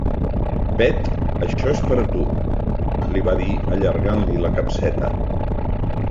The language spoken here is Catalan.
Bet, això és per a tu —li va dir, allargant-li la capseta—.